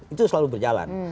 itu selalu berjalan